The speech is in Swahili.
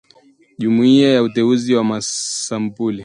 jumuia na uteuzi wa sampuli